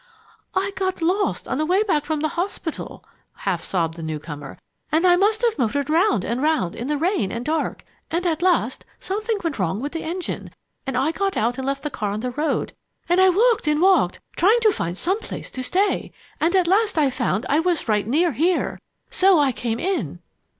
"I got lost on the way back from the hospital," half sobbed the new comer, "and I must have motored round and round in the rain and dark. And at last something went wrong with the engine, and I got out and left the car on the road and I walked and walked trying to find some place to stay and at last I found I was right near here so I came in!"